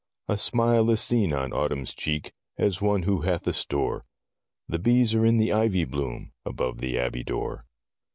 A smile is seen on Autumn's cheek, As one who hath a store ; The bees are in the ivy bloom, Above the abbey door.